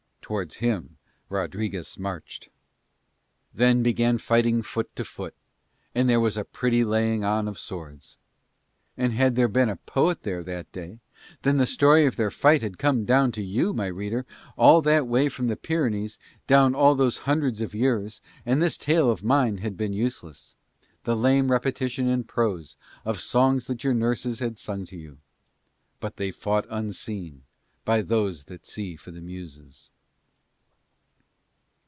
Towards him Rodriguez marched. Then began fighting foot to foot, and there was a pretty laying on of swords. And had there been a poet there that day then the story of their fight had come down to you, my reader, all that way from the Pyrenees, down all those hundreds of years, and this tale of mine had been useless, the lame repetition in prose of songs that your nurses had sung to you. But they fought unseen by those that see for the Muses.